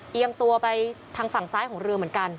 เอียงตัวไปทางฝั่งซ้ายของเรือเหมือนกัน